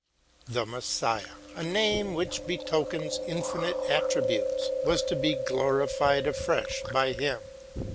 The Messiah, a name which betokens infinite attributes, was to be glorified afresh by him.